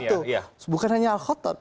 itu satu bukan hanya alkhotot